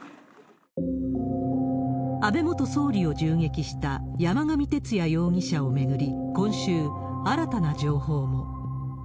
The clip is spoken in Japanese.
安倍元総理を銃撃した山上徹也容疑者を巡り、今週、新たな情報も。